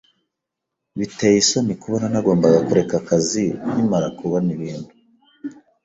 Biteye isoni kubona nagombaga kureka akazi nkimara kubona ibintu.